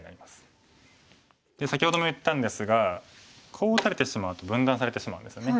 先ほども言ったんですがこう打たれてしまうと分断されてしまうんですよね。